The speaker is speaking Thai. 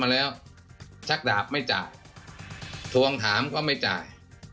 มาแล้วชักดาบไม่จ่ายทวงถามก็ไม่จ่าย